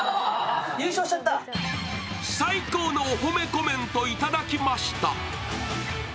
最高のお褒めコメント、いただきました。